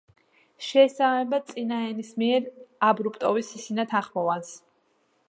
შეესაბამება წინაენისმიერ აბრუპტივი სისინა თანხმოვანს.